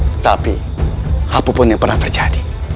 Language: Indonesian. tetapi hapu pun yang pernah terjadi